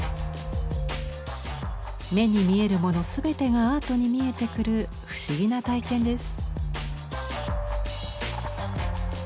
目に見えるもの全てがアートに見えてくる不思議な体験です。